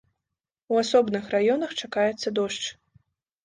У асобных раёнах чакаецца дождж.